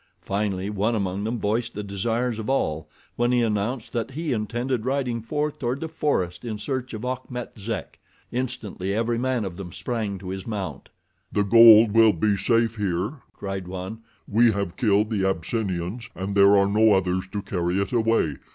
Finally one among them voiced the desires of all when he announced that he intended riding forth toward the forest in search of Achmet Zek. Instantly every man of them sprang to his mount. "The gold will be safe here," cried one. "We have killed the Abyssinians and there are no others to carry it away.